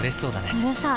うるさい。